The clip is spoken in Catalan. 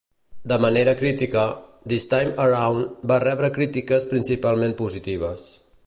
De manera crítica, "This Time Around" va rebre crítiques principalment positives.